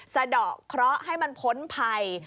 สะดอกเคราะห์ให้มันพ้นภัย